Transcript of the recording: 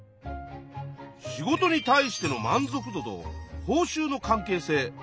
「仕事に対しての満足度と報酬の関係性」。